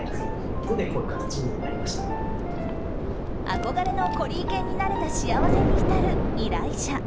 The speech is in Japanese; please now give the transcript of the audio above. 憧れのコリー犬になれた幸せに浸る依頼者。